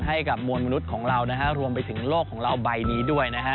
ให้กับมวลมนุษย์ของเรานะฮะรวมไปถึงโลกของเราใบนี้ด้วยนะฮะ